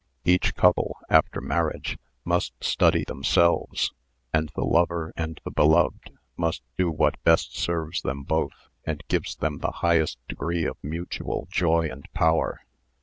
Each couple, after marriage, must study themselves, and the lover and the beloved mus't do what best serves them both and gives them the highest degree of mutual joy and power.